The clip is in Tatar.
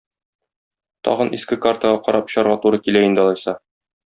Тагын иске картага карап очарга туры килә инде алайса.